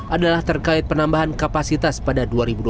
adalah terkait penambahan kapasitas pada dua ribu dua puluh